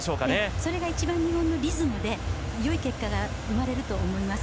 それが一番、日本のリズムで良い結果が生まれると思います。